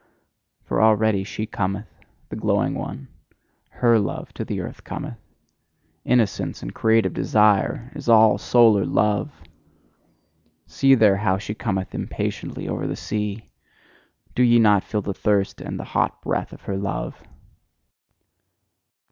For already she cometh, the glowing one, HER love to the earth cometh! Innocence and creative desire, is all solar love! See there, how she cometh impatiently over the sea! Do ye not feel the thirst and the hot breath of her love?